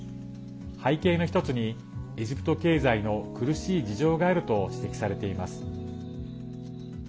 背景の一つに、エジプト経済の苦しい事情があると指摘されています。